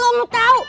gue gak mau tau